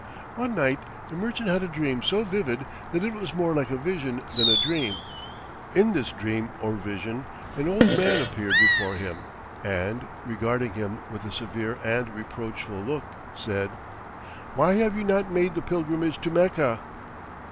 One night the merchant had a dream so vivid that it was more like a vision than a dream. In this dream or vision an old man appeared before him and, regarding him with a severe and reproachful look, said, "Why have you not made the pilgrimage to Mecca?"